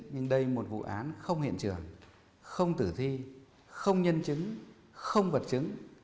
nhưng đây một vụ án không hiện trường không tử thi không nhân chứng không vật chứng